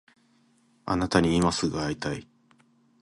あなたに今すぐ会いたい